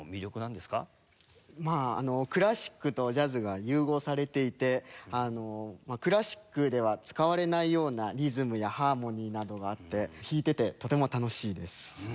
まああのクラシックとジャズが融合されていてクラシックでは使われないようなリズムやハーモニーなどがあって弾いててとても楽しいです。